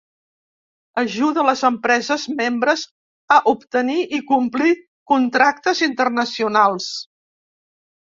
Ajuda les empreses membres a obtenir i complir contractes internacionals.